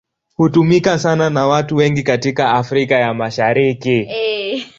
Hutumika sana na watu wengi katika Afrika ya Mashariki.